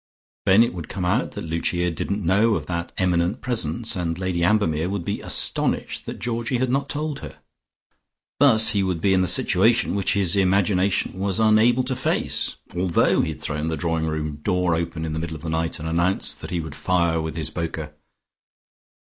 Then it would come out that Lucia didn't know of that eminent presence, and Lady Ambermere would be astonished that Georgie had not told her. Thus he would be in the situation which his imagination was unable to face, although he had thrown the drawing room door open in the middle of the night, and announced that he would fire with his poker.